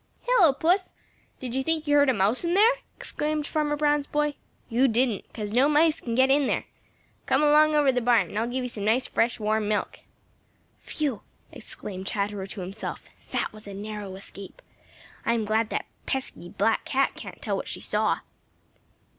"Hello, Puss! Did you think you heard a mouse in there?" exclaimed Farmer Brown's boy. "You didn't, because no mice can get in there. Come along over to the barn, and I'll give you some nice fresh warm milk." "Phew!" exclaimed Chatterer to himself, "That was a narrow escape! I'm glad that pesky black cat can't tell what she saw!"